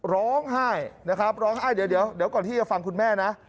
ร้องไห้นะครับร้องไห้เดี๋ยวก่อนที่จะฟังคุณแม่นะ